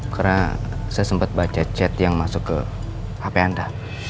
karena saya sempet baca chat yang masuk ke hp anda